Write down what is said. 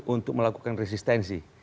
untuk melakukan resistensi